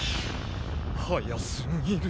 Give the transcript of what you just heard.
早すぎる。